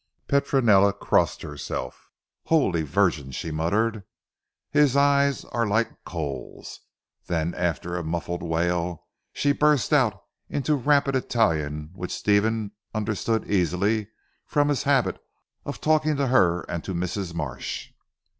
Petronella crossed herself. "Holy Virgin," she muttered, "his eyes are like coals." Then after a muffled wail, she burst out into rapid Italian which Stephen understood easily from his habit of talking to her and to Mrs. Marsh.